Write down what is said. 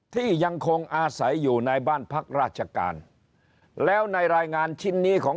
ที่ยังคงอาศัยอยู่ในบ้านพักราชการแล้วในรายงานชิ้นนี้ของ